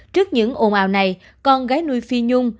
trước những ồn ào này con gái nuôi phi nhung